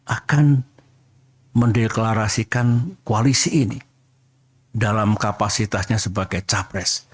akan mendeklarasikan koalisi ini dalam kapasitasnya sebagai capres